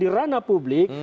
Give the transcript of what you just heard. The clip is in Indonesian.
di ranah publik